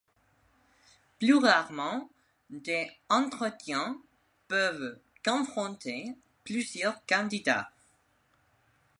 Plus rarement, des entretiens peuvent confronter plusieurs candidats.